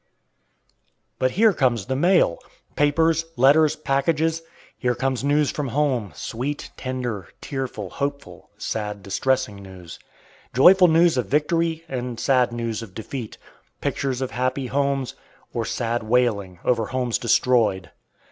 But here comes the mail, papers, letters, packages. Here comes news from home, sweet, tender, tearful, hopeful, sad, distressing news; joyful news of victory and sad news of defeat; pictures of happy homes, or sad wailing over homes destroyed!